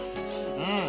うん！